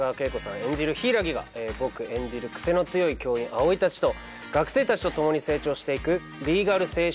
演じる柊木が僕演じる癖の強い教員藍井たちと学生たちと共に成長していくリーガル青春群像劇です。